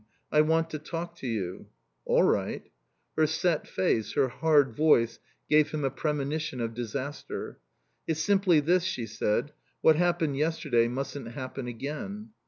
I want to talk to you." "All right." Her set face, her hard voice gave him a premonition of disaster. "It's simply this," she said. "What happened yesterday mustn't happen again."